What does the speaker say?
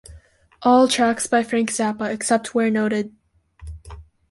All tracks by Frank Zappa, except where noted.